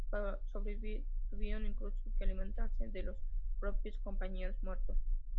Para sobrevivir tuvieron incluso que alimentarse de los propios compañeros muertos.